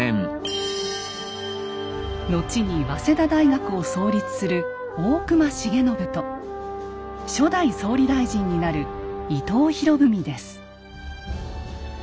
後に早稲田大学を創立する大隈重信と初代総理大臣になる伊藤博文です。